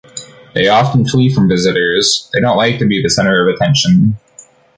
They often flee from visitors; they don’t like to be the center of attention.